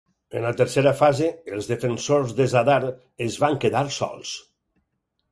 En la tercera fase, els defensors de Zadar es van quedar sols.